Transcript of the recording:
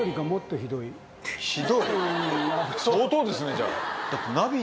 相当ですねじゃあ。